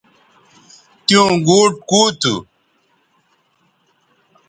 تیوں گوٹ کُو تھو